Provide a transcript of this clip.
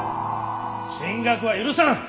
進学は許さん！